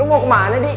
lo mau kemana di